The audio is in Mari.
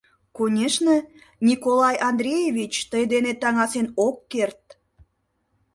Конешне, Николай Андреевич тый денет таҥасен ок керт.